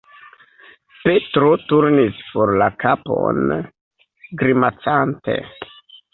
Petro turnis for la kapon, grimacante.